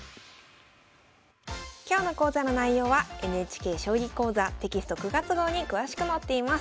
今日の講座の内容はＮＨＫ「将棋講座」テキスト９月号に詳しく載っています。